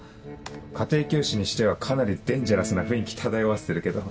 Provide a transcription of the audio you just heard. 家庭教師にしてはかなりデンジャラスな雰囲気漂わせてるけど。